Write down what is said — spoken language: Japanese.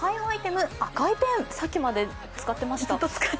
赤いペン、さっきまで使ってました。